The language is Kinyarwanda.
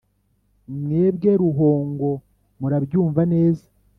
mwebwe ruhongo murabyumva neza,